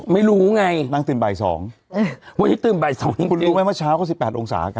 ไม่รู้ไงนางตื่นบ่ายสองว่าที่ตื่นบ่ายสองจริงจริงคุณรู้ไหมว่าเช้าก็สิบแปดองศาอาการ